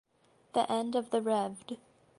The end of the Revd.